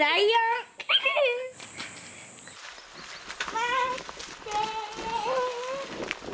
待って。